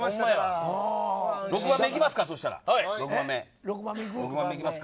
６番目、いきますか。